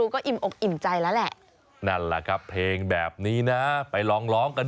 ก็ร้องเพลงกับน้องไปเต้นกับน้องไป